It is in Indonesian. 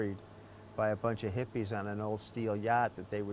oleh sebuah jenis orang yang berpakaian di kapal yang lama yang berlalu berlalu